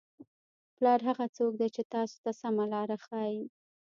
پلار هغه څوک دی چې تاسو ته سمه لاره ښایي.